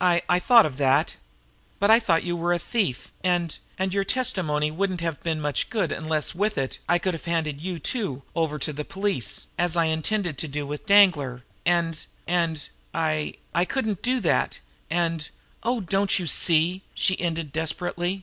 "I I thought of that. But I thought you were a thief, and and your testimony wouldn't have been much good unless, with it, I could have handed you, too, over to the police, as I intended to do with Danglar; and and I I couldn't do that, and Oh, don't you see?" she ended desperately.